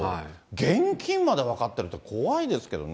現金まで分かっているって、怖いですけどね。